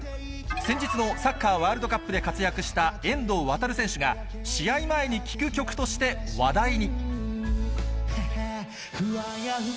先日のサッカーワールドカップで活躍した遠藤航選手が、試合前に聴く曲として話題に。